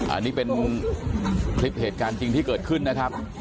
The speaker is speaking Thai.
อันนี้เป็นคลิปเหตุการณ์จริงที่เกิดขึ้นนะครับ